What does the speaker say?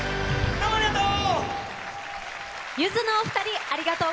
どうもありがとう。